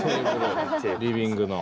リビングの。